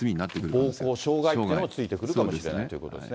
暴行、傷害罪もついてくるかもしれないということですね。